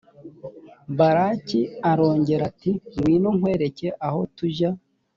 balaki arongera ati ngwino nkwereke aho tujya.